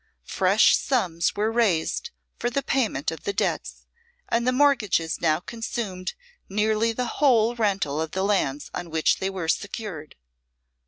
Fresh sums were raised for the payment of the debts, and the mortgages now consumed nearly the whole rental of the lands on which they were secured.